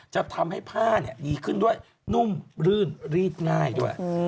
จะทำให้ผ้าดีขึ้นด้วยนุ่มรื่นรีดง่ายด้วย